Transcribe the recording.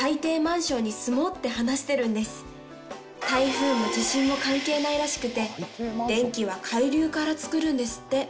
「台風も地震も関係ないらしくて電気は海流からつくるんですって」